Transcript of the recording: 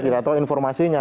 tidak tahu informasinya